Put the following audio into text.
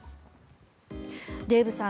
デーブさん